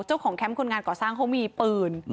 แคมป์คนงานก่อสร้างเขามีปืน